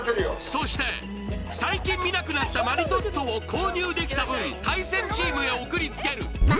そして最近見なくなったマリトッツォを購入できた分対戦チームへ送りつける